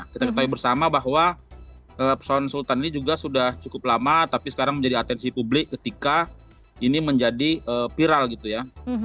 kita ketahui bersama bahwa persoalan sultan ini juga sudah cukup lama tapi sekarang menjadi atensi publik ketika ini menjadi viral gitu ya